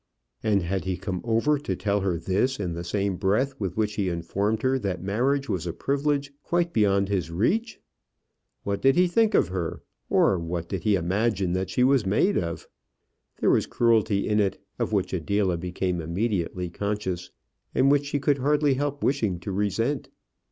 And had he come over to tell her this in the same breath with which he informed her that marriage was a privilege quite beyond his reach? What did he think of her, or of what did he imagine that she was made? There was cruelty in it, of which Adela became immediately conscious, and which she could hardly help wishing to resent.